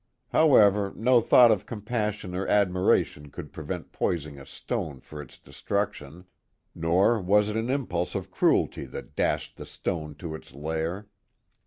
However, no thought of compassion or admiration could prevent poising a stone for its destruction, nor was it an i npulse of cruelty that dashed the stone to its lair.